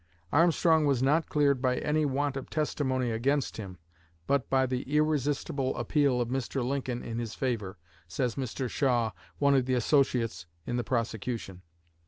"Armstrong was not cleared by any want of testimony against him, but by the irresistible appeal of Mr. Lincoln in his favor," says Mr. Shaw, one of the associates in the prosecution.